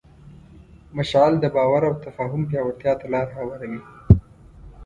مشعل د باور او تفاهم پیاوړتیا ته لاره هواروي.